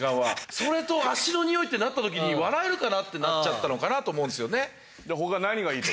それと足のにおいってなった時に笑えるかなってなっちゃったのかなと思うんですよね。